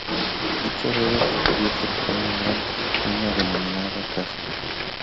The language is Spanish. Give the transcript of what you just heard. Dicho dedo está cubierto por una gran uña denominada casco.